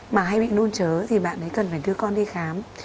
mà hay bị nôn chớ thì bạn ấy cần phải đưa con đi khám